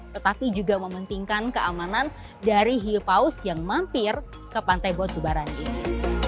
tetapi juga mementingkan keamanan dari hiupaus yang mampir ke pantai bostubaran ini